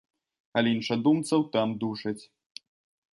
Але іншадумцаў там душаць.